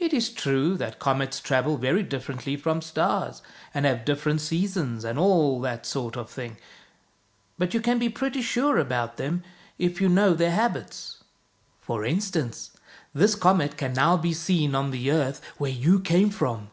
It is true that comets travel very differently from stars, and have different seasons, and all that sort of thing. But you can be pretty sure about them if you know their habits. For instance, this comet can now be seen on the earth where you came from.